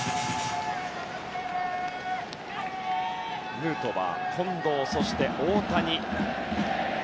ヌートバー、近藤、そして大谷。